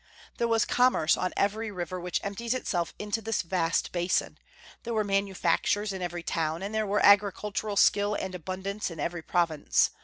There was commerce on every river which empties itself into this vast basin; there were manufactures in every town, and there were agricultural skill and abundance in every province.